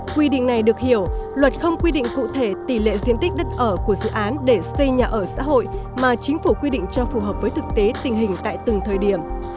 quy định này được hiểu luật không quy định cụ thể tỷ lệ diện tích đất ở của dự án để xây nhà ở xã hội mà chính phủ quy định cho phù hợp với thực tế tình hình tại từng thời điểm